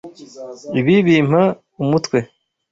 Ibi bimpa umutwe!